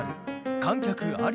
観客あり？